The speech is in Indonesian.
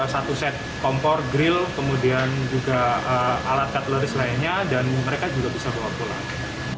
satu set kompor grill kemudian juga alat kategoris lainnya dan mereka juga bisa bawa pulang